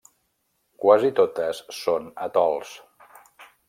Quasi totes són atols.